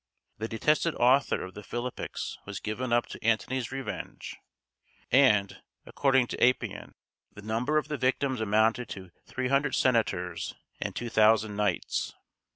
The detested author of the "Philippics" was given up to Antony's revenge; and, according to Appian, the number of the victims amounted to 300 senators and 2,000 knights.